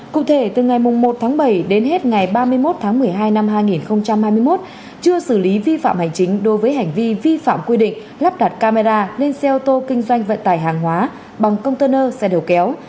cụ thể từ ngày một tháng bảy đến hết ngày ba mươi một tháng một mươi hai năm hai nghìn hai mươi một chưa xử lý vi phạm hành chính đối với hành vi vi phạm quy định lắp đặt camera lên xe ô tô kinh doanh vận tải hàng hóa bằng container xe đầu kéo